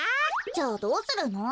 じゃあどうするの？